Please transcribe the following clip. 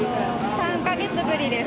３か月ぶりです。